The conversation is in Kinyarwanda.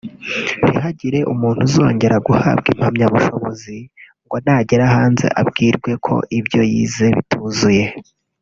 ntihagire umuntu uzongera guhabwa impamyabushobozi ngo nagera hanze abwirwe ko ibyo yize bituzuye